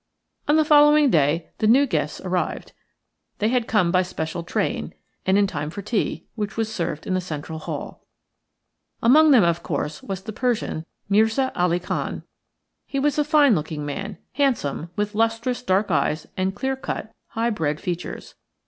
On the following day the new guests arrived. They had come by special train, and in time for tea, which was served in the central hall. Among them, of course, was the Persian, Mirza Ali Khan. He was a fine looking man, handsome, with lustrous dark eyes and clear cut, high bred features.